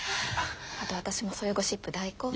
あと私もそういうゴシップ大好物。